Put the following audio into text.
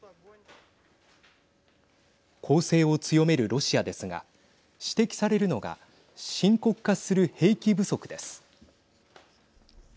攻勢を強めるロシアですが指摘されるのが深刻化する兵器不足です。